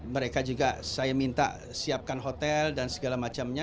mereka juga saya minta siapkan hotel dan segala macamnya